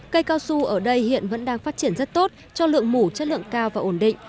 cây cao su ở đây hiện vẫn đang phát triển rất tốt cho lượng mủ chất lượng cao và ổn định